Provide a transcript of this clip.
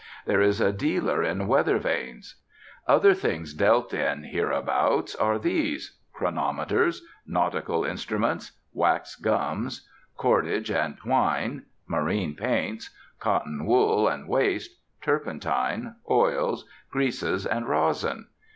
There is a dealer in weather vanes. Other things dealt in hereabout are these: chronometers, "nautical instruments," wax gums, cordage and twine, marine paints, cotton wool and waste, turpentine, oils, greases, and rosin.